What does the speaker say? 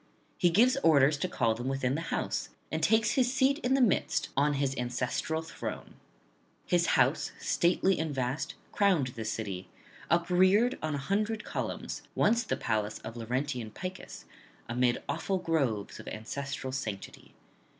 He gives orders to call them within his house, and takes his seat in the midst on his ancestral throne. His house, stately and vast, crowned the city, upreared on an hundred columns, once the palace of Laurentian Picus, amid awful groves of ancestral sanctity.